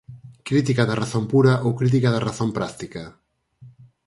Crítica da razón pura ou crítica da razón práctica.